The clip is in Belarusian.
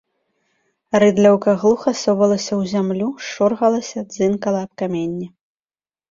Рыдлёўка глуха совалася ў зямлю, шоргалася, дзынкала аб каменні.